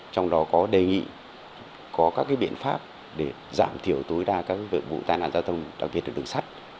trong đó có đề nghị có các biện pháp để giảm thiểu tối đa các vụ tai nạn giao thông đặc biệt là đường sắt